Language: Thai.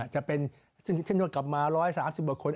จะเป็นเช่นกลับมา๑๓๐บาทคน